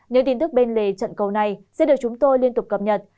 những tin tức bên lề trận cầu này sẽ được chúng tôi liên tục cập nhật